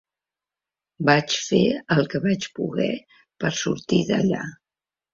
Vaig fer el que vaig poder per sortir d'allà.